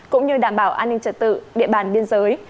cũng như đảm bảo an ninh trật tự địa bàn biên giới